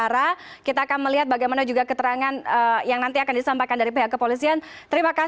oke terima kasih pak wengi kita akan melihat bagaimana nanti hasil dari investigasi kemudian juga olah tempat kejadian perkara